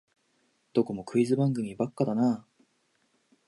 どこもクイズ番組ばっかだなあ